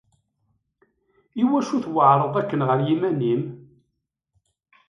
Iwacu tweɛreḍ akken ɣer yiman-im?